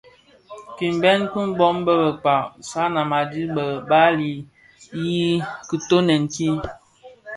Kpimbèn bi bōn bë Mkpag. Sanam a dhi bi bali I kitoňèn ki.